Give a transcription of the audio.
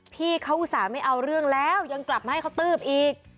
พี่เขาอุตส่าห์ไม่เอาเรื่องแล้วยังกลับมาให้เขาตืบอีก